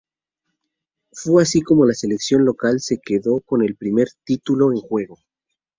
Fue así como la selección local se quedó con el primer título en juego.